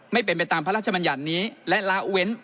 ไม่เป็นไปตามพระราชมัญญัตินี้และละเว้น